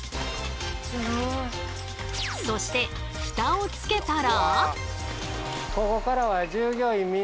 そしてフタを付けたら。